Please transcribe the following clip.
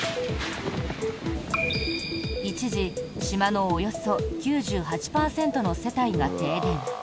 一時、島のおよそ９８％の世帯が停電。